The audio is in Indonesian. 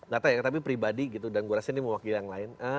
gak tau ya tapi pribadi gitu dan gue rasanya ini mewakili yang lain